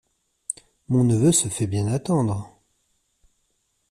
Mon neveu se fait bien attendre…